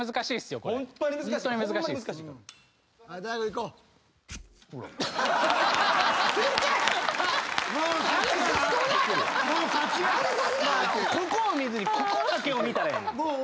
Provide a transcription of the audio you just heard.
ここを見ずにここだけを見たらええねん。